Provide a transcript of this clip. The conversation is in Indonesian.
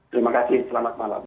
terima kasih selamat malam